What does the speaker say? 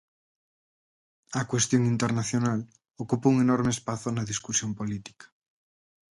A cuestión internacional ocupa un enorme espazo na discusión política.